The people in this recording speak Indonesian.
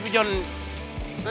udah doang gue stres